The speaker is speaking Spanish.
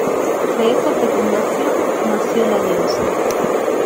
De esa fecundación nació la diosa.